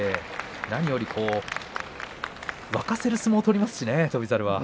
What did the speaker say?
何よりも沸かせる相撲を取りますね。